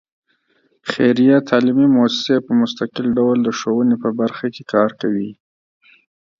خیریه تعلیمي مؤسسې په مستقل ډول د ښوونې په برخه کې کار کوي.